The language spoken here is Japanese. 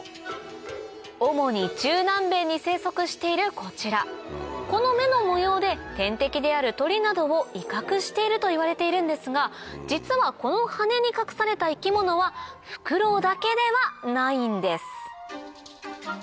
主に中南米に生息しているこちらこの目の模様で天敵である鳥などを威嚇しているといわれているんですが実はこの羽に隠された生き物はフクロウだけではないんです